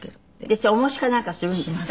それ重しかなんかするんですか？